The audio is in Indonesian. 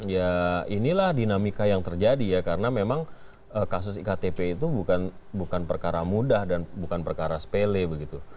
ya inilah dinamika yang terjadi ya karena memang kasus iktp itu bukan perkara mudah dan bukan perkara sepele begitu